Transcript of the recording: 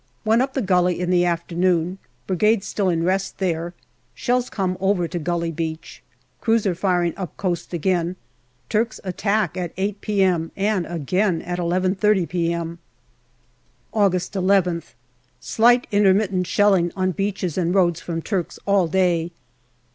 Went up the gully in the afternoon. Brigade still in rest there. Shells come over to Gully Beach. Cruiser firing up coast again. Turks attack at 8 p.m., and again at 11.30 p.m. August llth. Slight intermittent shelling on beaches and roads from Turks all day.